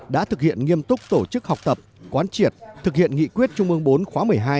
đã thực hiện nghiêm túc tổ chức học tập quán triệt thực hiện nghị quyết trung ương bốn khóa một mươi hai